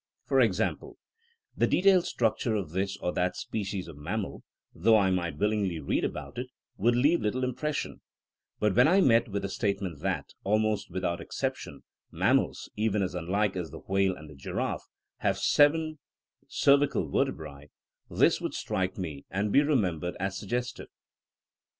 For example, the detailed structure of this or that species of mammal, though I might willingly read about it, would leave little impression; but when I met with the statement that, almost without excep tion, mammals, even as unlike as the whale and the giraffe, have seven cervical vertebrae, this would strike me and be remembered as sugges tive.